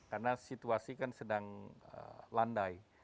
karena situasi kan sedang landai